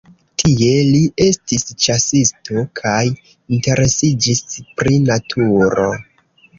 Tie li estis ĉasisto kaj interesiĝis pri naturo.